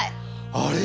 あれ？